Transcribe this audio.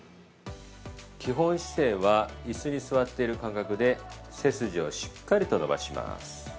◆基本姿勢は椅子に座ってる感覚で背筋をしっかりと伸ばします。